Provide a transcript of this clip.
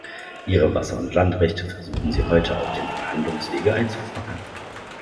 Ihre Wasser- und Landrechte versuchen sie heute auf dem Verhandlungswege einzufordern.